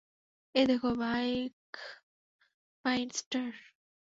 এই দেখো, বাকমাইনস্টার।